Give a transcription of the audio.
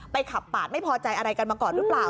ขับปาดไม่พอใจอะไรกันมาก่อนหรือเปล่า